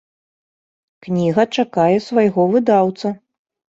Кніга чакае свайго выдаўца.